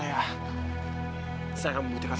aura itu adalah anak kita ratna